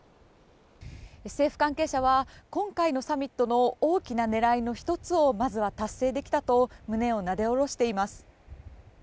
政府関係者は、今回のサミットの大きな狙いの１つをまずは達成できたと胸をなで下ろしています。